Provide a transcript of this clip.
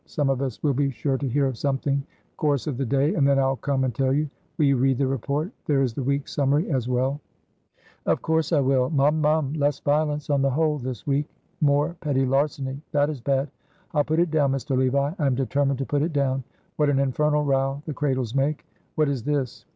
Some of us will be sure to hear of something, course of the day, and then I'll come and tell you. Will you read the report? There is the week's summary as well." "Of course I will. Mum! mum! 'Less violence on the whole this week; more petty larceny.' That is bad. I'll put it down, Mr. Levi. I am determined to put it down. What an infernal row the cradles make. What is this?